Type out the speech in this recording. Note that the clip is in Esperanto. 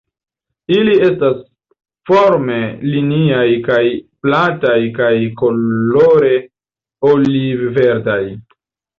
Ili estas forme liniaj kaj plataj kaj kolore oliv-verdaj.